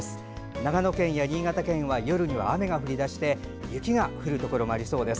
長野県や新潟県は夜には雨が降り出して雪が降るところもありそうです。